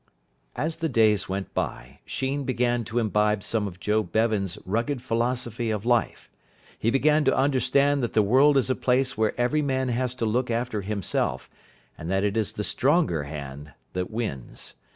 As the days went by, Sheen began to imbibe some of Joe Bevan's rugged philosophy of life. He began to understand that the world is a place where every man has to look after himself, and that it is the stronger hand that wins.